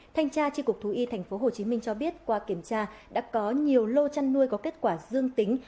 thanh tra tri cục thú y tp hcm cho biết qua kiểm tra đã có nhiều lô chăn nuôi có kết quả dương tính